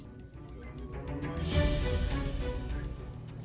kondisi pasar hewan juga tidak nyaman bagi hewan yang diperdagangkan dan cenderung kubuh